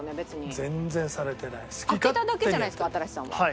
開けただけじゃないですか新子さんは。